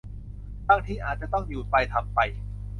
บางทีอาจจะต้องอยู่ไปทำไป